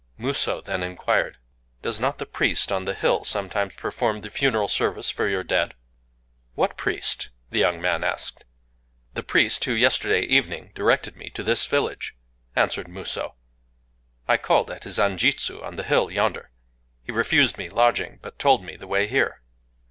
Musō then inquired:— "Does not the priest on the hill sometimes perform the funeral service for your dead?" "What priest?" the young man asked. "The priest who yesterday evening directed me to this village," answered Musō. "I called at his anjitsu on the hill yonder. He refused me lodging, but told me the way here."